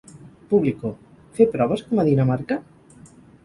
Público: Fer proves com a Dinamarca?